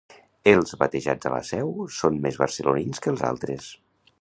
Els batejats a la Seu són més barcelonins que els altres.